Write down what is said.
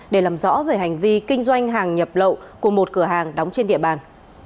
để làm rõ về hành vi kinh doanh hàng nhập lậu của một cửa hàng đóng trên địa bàn